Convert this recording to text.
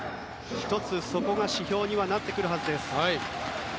１つ、そこが指標にはなってくるはずです。